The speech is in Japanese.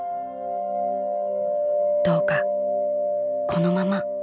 どうかこのまま。